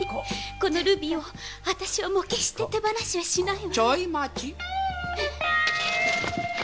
このルビーを私はもう決して手放しはしないわ。